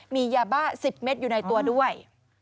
มียาบ้า๑๐เมตรอยู่ในตัวด้วย